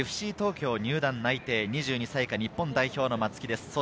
ＦＣ東京入団内定、２２歳以下日本代表の松木です。